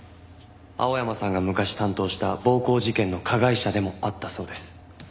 青山さんが昔担当した暴行事件の加害者でもあったそうです。